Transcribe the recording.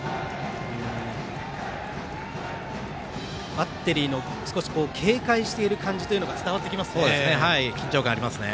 バッテリーの少し警戒している感じというのが伝わってきますね。